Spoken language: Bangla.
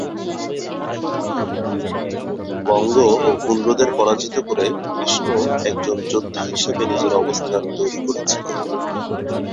বঙ্গ ও পুন্ড্রদের পরাজিত করে কৃষ্ণ একজন যোদ্ধা হিসেবে নিজের অবস্থান তৈরি করেছিলেন।